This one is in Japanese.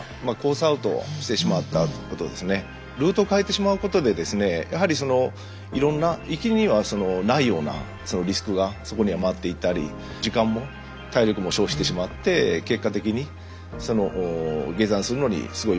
ルートを変えてしまうことでですねやはりそのいろんな行きにはないようなリスクがそこには待っていたり時間も体力も消費してしまって結果的に下山するのにすごいリスクが生じてしまうと。